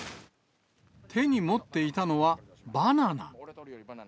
手に持っていたのは、バナナ。